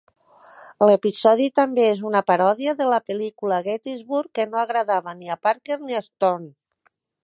L'episodi també és una paròdia de la pel·lícula "Gettysburg", que no agradava ni a Parker ni a Stone.